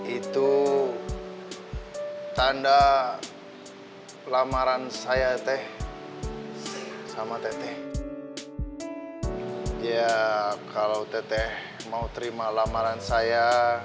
itu tanda lamaran saya teh sama teteh ya kalau teteh mau terima lamaran saya